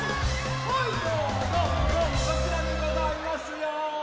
はいどうもどうもどうもこちらでございますよ。